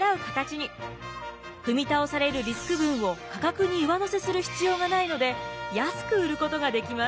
踏み倒されるリスク分を価格に上乗せする必要がないので安く売ることができます。